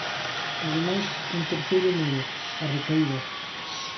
Ademais, un terceiro medo: a recaída.